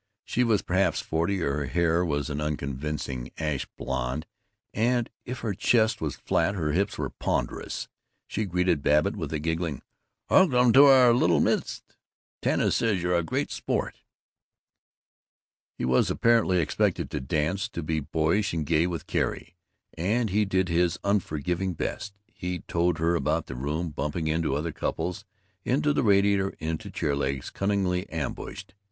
She was perhaps forty; her hair was an unconvincing ash blond; and if her chest was flat, her hips were ponderous. She greeted Babbitt with a giggling "Welcome to our little midst! Tanis says you're a real sport." He was apparently expected to dance, to be boyish and gay with Carrie, and he did his unforgiving best. He towed her about the room, bumping into other couples, into the radiator, into chair legs cunningly ambushed.